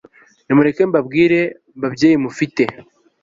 Nimureke mbabwire babyeyi mufite